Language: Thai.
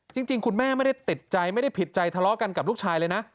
จริงคุณแม่ไม่ได้ติดใจไม่ได้ผิดใจทะเลาะกันกับลูกชายเลยนะ